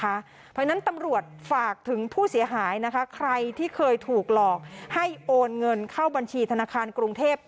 เพราะฉะนั้นตำรวจฝากถึงผู้เสียหายนะคะใครที่เคยถูกหลอกให้โอนเงินเข้าบัญชีธนาคารกรุงเทพ